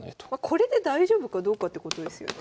これで大丈夫かどうかってことですよね。